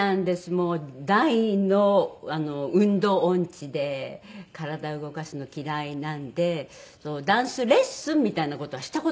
もう大の運動音痴で体動かすの嫌いなんでダンスレッスンみたいな事はした事ないんですよね。